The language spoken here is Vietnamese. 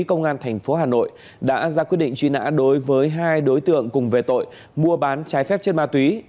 công an thành phố hà nội đã ra quyết định truy nã đối với hai đối tượng cùng về tội mua bán trái phép trên ma túy